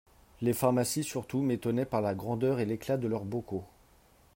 Les pharmacies surtout m'étonnaient par la grandeur et l'éclat de leurs bocaux.